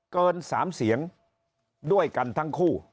เกิน๓เสียงด้วยกันทั้งคู่